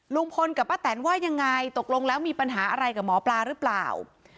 ลุงพลกับป้าแตนว่ายังไงตกลงแล้วมีปัญหาอะไรกับหมอปลาหรือเปล่า